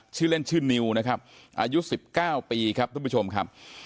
ชื่อเล่นชื่อนิวนะครับอายุ๑๙ปีครับทุกผู้ชมครับ